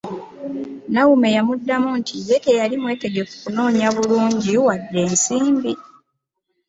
Noame yamuddamu nti ye teyali mwetegefu kunoonya bulungi wadde nsimbi.